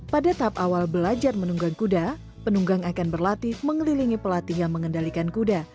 pada tahap awal belajar menunggang kuda penunggang akan berlatih mengelilingi pelatih yang mengendalikan kuda